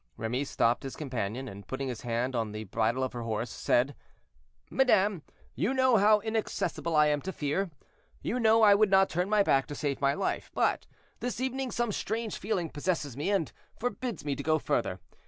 Remy stopped his companion, and putting his hand on the bridle of her horse, said— "Madame, you know how inaccessible I am to fear; you know I would not turn my back to save my life; but this evening some strange feeling possesses me, and forbids me to go further.